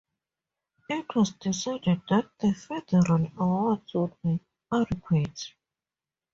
It was decided that the Federal awards would be adequate.